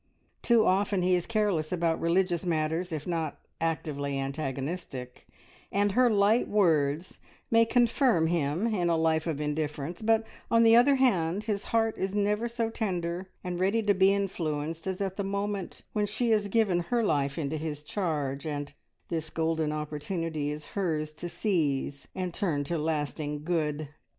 Too often he is careless about religious matters, if not actively antagonistic, and her light words may confirm him in a life of indifference; but, on the other hand, his heart is never so tender and ready to be influenced as at the moment when she has given her life into his charge, and this golden opportunity is hers to seize and turn to lasting good.